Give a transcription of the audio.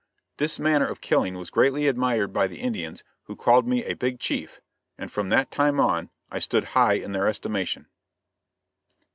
This manner of killing was greatly admired by the Indians who called me a big chief, and from that time on, I stood high in their estimation."